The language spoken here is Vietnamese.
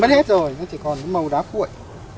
bán hết rồi nó chỉ còn cái màu đá cuội